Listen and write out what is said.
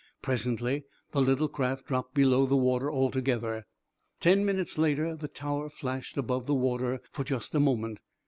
Presently the little craft dropped below the water altogether. Ten minutes later the tower flashed above the water for just a moment.